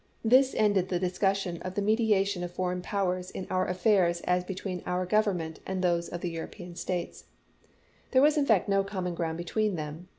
This ended the discussion of the mediation of foreign powers in our affairs as between our Gov ernment and those of European states. There was in fact no common ground between them.